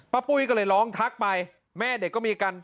ปุ้ยก็เลยร้องทักไปแม่เด็กก็มีกัน